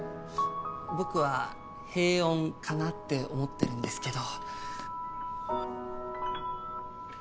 僕は「平穏」かなって思ってるんですけど。